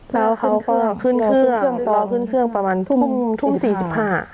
แล้วขึ้นเครื่องขึ้นเครื่องรอขึ้นเครื่องประมาณทุ่มทุ่มสี่สิบห้า